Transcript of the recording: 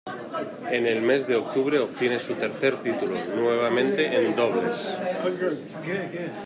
En el mes de octubre obtiene su tercer título, nuevamente en dobles.